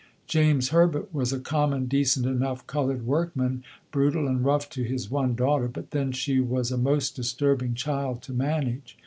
James Herbert was a common, decent enough, colored workman, brutal and rough to his one daughter, but then she was a most disturbing child to manage.